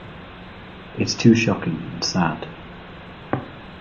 It's too shocking and sad.